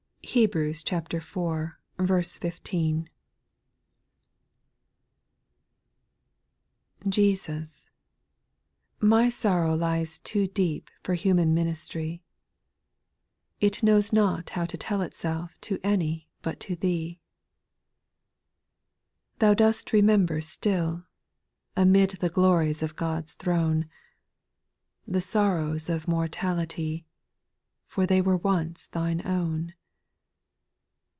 Hebrews iv. 15. 1. ' TESUS, my sorrow lies too deep el For human ministry ; It knows not how to tell itself To any but to Thee. ) 2. Thou dost remember still, amid The glories of God's throne, The sorrows of mortality. For they were once Thine own.